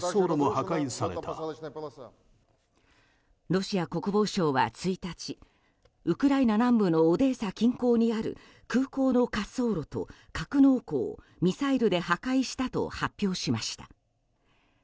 ロシア国防省は１日ウクライナ南東部のオデーサ近郊にある空港の滑走路と格納庫をミサイルで破壊したと発表しました。